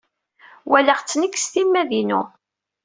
Walaɣ-t nekk s timmad-inu.